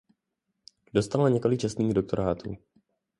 Dostala několik čestných doktorátů.